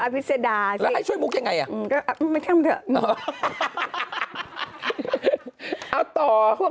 ทรมานพอแล้วด้วย๗ไม่ต้องทรมานด้วย